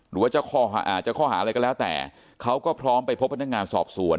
หรือว่าจะข้อหาอะไรก็แล้วแต่เขาก็พร้อมไปพบพนักงานสอบสวน